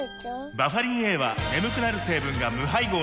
バファリンＡは眠くなる成分が無配合なんです